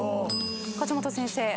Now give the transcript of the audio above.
梶本先生。